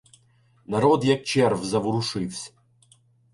Народ, як черв, заворушивсь.